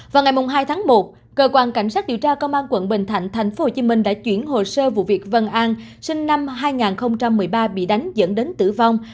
vào ngày hai tháng một cơ quan cảnh sát điều tra công an quận bình thạnh tp hcm đã chuyển hồ sơ vụ việc vân an sinh năm hai nghìn một mươi ba bị đánh dẫn đến tử vong